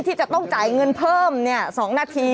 ที่จะต้องจ่ายเงินเพิ่ม๒นาที